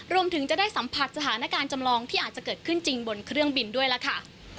รวมถึงจะได้สัมผัสสถานการณ์จำลองที่อาจจะเกิดขึ้นจริงบนเครื่องบินด้วยล่ะค่ะ